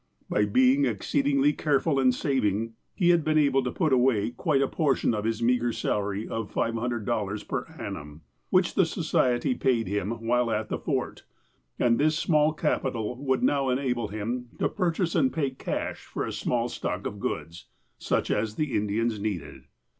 By being exceedingly careful and saving, he had been able to put away quite a portion of the meagre salary of $500 per annum, which the Society paid him while at the Fort, and this small capital would now enable him to purchase and pay cash for a small stock of goods, such as the Indians needed.